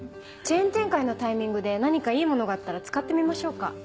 チェーン展開のタイミングで何かいいものがあったら使ってみましょうか。